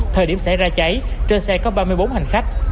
thời điểm xảy ra cháy trên xe có ba mươi bốn hành khách